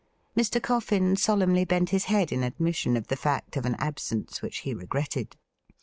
Mr. Coffin solemnly bent his head in admission of the fact of an absence which he regretted.